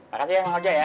makasih ya bang ojo ya